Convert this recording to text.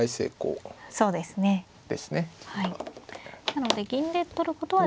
なので銀で取ることはできない。